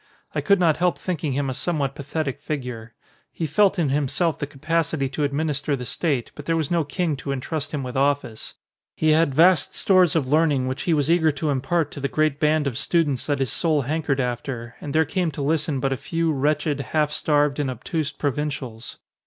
I could not help thinking him a somewhat pathetic figure. He felt in himself the capacity to administer the state, but there was no king to entrust him with office; 154 THE PHILOSOPHER he had vast stores of learning which he was. eager to impart to the great band of students that his soul hankered after, and there came to listen but a few, wretched, half starved, and obtuse pro vincials.